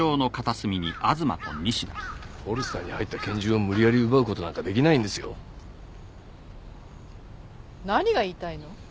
ホルスターに入った拳銃を無理やり奪うことなんかできないんですよ何が言いたいの？